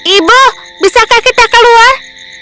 ibu bisakah kita keluar